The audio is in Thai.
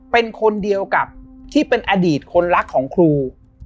เป็นคนเดียวกับที่เป็นอดีตคนรักของครู